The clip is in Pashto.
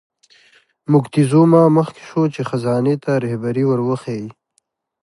موکتیزوما مخکې شو چې خزانې ته رهبري ور وښیي.